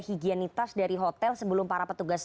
higienitas dari hotel sebelum para petugas